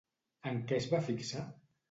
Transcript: En què es va fixar?